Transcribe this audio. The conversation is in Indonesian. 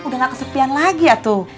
udah gak kesepian lagi ya tuh